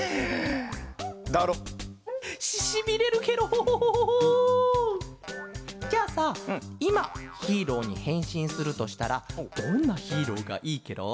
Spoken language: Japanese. ししびれるケロ。じゃあさいまヒーローにへんしんするとしたらどんなヒーローがいいケロ？